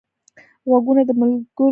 غوږونه د ملګرو خبرې خوښوي